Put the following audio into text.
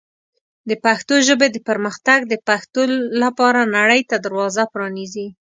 د پښتو ژبې پرمختګ د پښتو لپاره نړۍ ته دروازه پرانیزي.